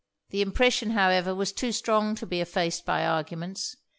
The impression, however, was too strong to be effaced by arguments.